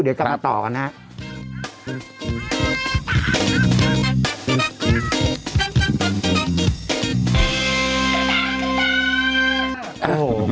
เดี๋ยวกลับมาต่อกันนะครับ